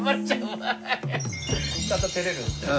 アハハ。ちゃんと照れるんすね。